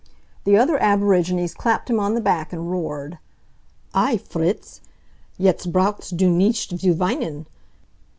The other aborigines clapped him on the back and roared: "Ai Fritz! Jetzt brauchst du nicht zu weinen!